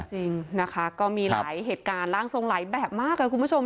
จริงนะคะก็มีหลายเหตุการณ์ร่างทรงหลายแบบมากค่ะคุณผู้ชม